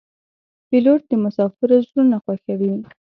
پیلوټ د مسافرو زړونه خوښوي.